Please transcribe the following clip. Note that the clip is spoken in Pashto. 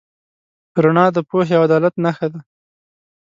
رڼا د پوهې او عدالت نښه ده.